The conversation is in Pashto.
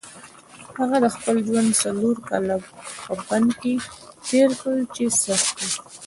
هغه د خپل ژوند څلور کاله په بند کې تېر کړل چې سخت وو.